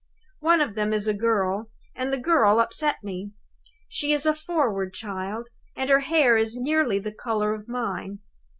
One of them is a girl, and the girl upset me. She is a forward child, and her hair is nearly the color of mine.